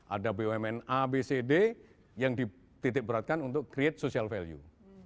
ada bumn a b c d yang dititik beratkan untuk create social value